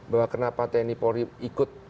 bahwa kenapa tni polri ikut